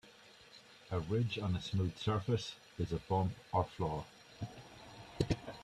A ridge on a smooth surface is a bump or flaw.